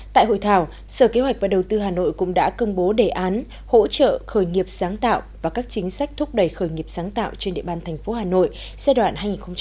tại hội thảo sở kế hoạch và đầu tư hà nội cũng đã công bố đề án hỗ trợ khởi nghiệp sáng tạo và các chính sách thúc đẩy khởi nghiệp sáng tạo trên địa bàn thành phố hà nội giai đoạn hai nghìn một mươi chín hai nghìn hai mươi năm